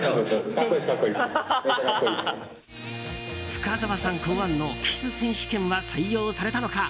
深澤さん考案のキス選手権は採用されたのか。